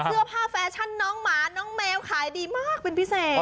เสื้อผ้าแฟชั่นน้องหมาน้องแมวขายดีมากเป็นพิเศษ